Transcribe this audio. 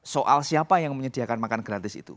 soal siapa yang menyediakan makan gratis itu